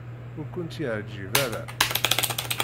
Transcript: Ur kent-yeɛjib ara?